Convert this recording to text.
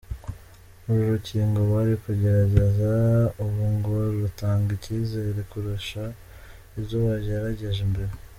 Uru rukingo bari kugerageza ubu ngo rutanga icyizere kurusha izo bagerageje mbere.